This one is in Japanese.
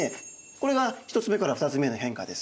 これが１つ目から２つ目への変化です。